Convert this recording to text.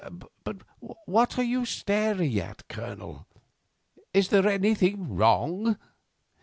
But what are you staring at, Colonel? Is there anything wrong?"